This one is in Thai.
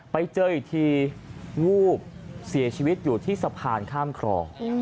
ไปเจออีกทีวูบเสียชีวิตอยู่ที่สะพานข้ามคลอง